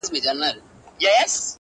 په دربار کي مي تر تا نسته ښاغلی!